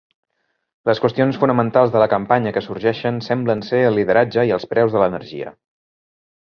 Les qüestions fonamentals de la campanya que sorgeixen semblen ser el lideratge i el preus de l'energia.